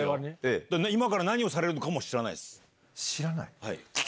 今から何をされるのかも知ら知らない？